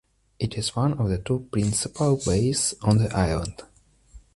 It is one of the two principal bays on the island.